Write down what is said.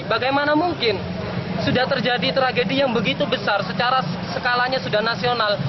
bagaimana mungkin sudah terjadi tragedi yang begitu besar secara skalanya sudah nasional